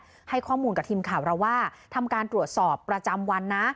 ก็ให้ข้อมูลกับทีมข่าวเราว่าทำการตรวจสอบประจำวันนะ